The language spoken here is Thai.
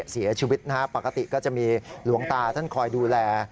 เสียชีวิตนะฮะปกติก็จะมีหลวงตาท่านคอยดูแล